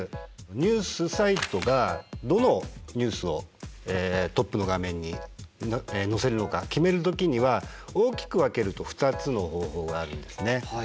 ニュースサイトがどのニュースをトップの画面に載せるのか決める時には大きく分けると２つの方法があるんですね。